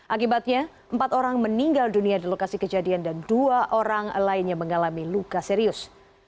akibatnya empat orang meninggal dunia di lokasi kejadian dan dua orang lainnya mengalami luka serius